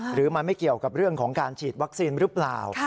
หรือมันไม่เกี่ยวกับเรื่องของการฉีดวัคซีนหรือเปล่า